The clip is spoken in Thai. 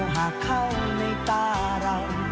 หากเข้าในตาเรา